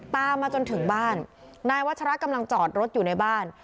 มาจนถึงบ้านนายวัชระกำลังจอดรถอยู่ในบ้าน